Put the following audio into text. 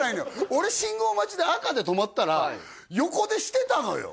俺信号待ちで赤で止まったら横でしてたのよ